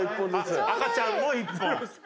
赤ちゃんも１本。